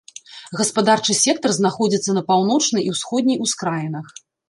Гаспадарчы сектар знаходзіцца на паўночнай і ўсходняй ускраінах.